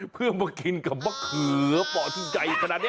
เพื่อมากินกับมะเขือป่อที่ใหญ่ขนาดนี้